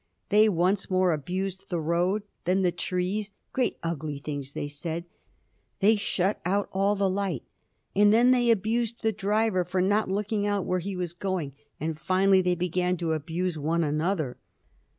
They once more abused the road; then the trees. "Great ugly things," they said; "they shut out all the light." And then they abused the driver for not looking out where he was going, and finally they began to abuse one another.